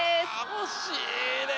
惜しいね！